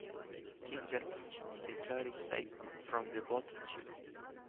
Ginger Minj is declared safe from the bottom two.